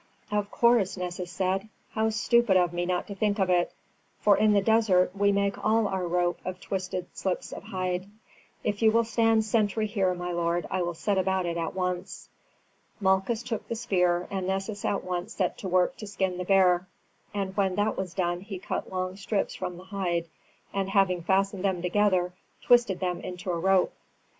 "Of course," Nessus said. "How stupid of me not to think of it, for in the desert we make all our rope of twisted slips of hide. If you will stand sentry here, my lord, I will set about it at once." Malchus took the spear, and Nessus at once set to work to skin the bear, and when that was done he cut long strips from the hide, and having fastened them together, twisted them into a rope.